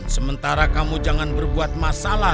sementara kamu jangan berbuat masalah